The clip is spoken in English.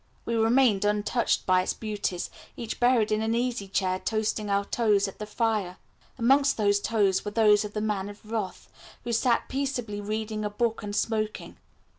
We remained untouched by its beauties, each buried in an easy chair toasting our toes at the fire. Amongst those toes were those of the Man of Wrath, who sat peaceably reading a book and smoking.